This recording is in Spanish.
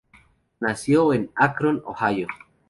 Nació en Akron, Ohio.